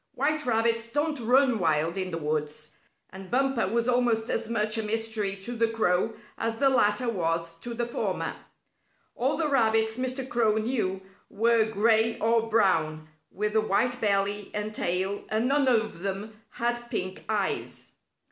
White rabbits don't run wild in the woods, and Bumper was almost as much a mystery to the crow as the latter was to the former. All the rabbits Mr. Crow knew were gray or brown, with a white belly and tail, and none of them had pink eyes.